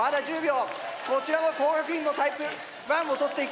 こちらも工学院もタイプ１を取っていきます。